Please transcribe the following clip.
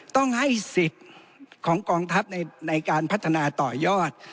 ต้องให้สิทธิ์ของกองทัพในการพัฒนาต่อยอด